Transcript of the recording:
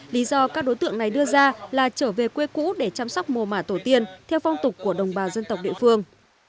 lý do các đối tượng này đưa ra là trở về quê cũ để chăm sóc mùa mà tổ tiên theo phong tục của đồng bào dân tộc địa phương